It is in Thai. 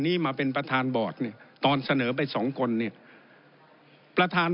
นี้มาเป็นประธานบอร์ดเนี่ยตอนเสนอไปสองคนเนี่ยประธาน